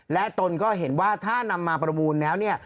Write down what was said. และตนก็เห็นว่าถ้านำมาประมูลแล้วเนี่ย